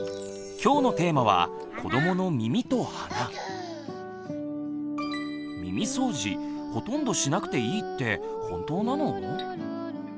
今日のテーマは耳そうじほとんどしなくていいって本当なの？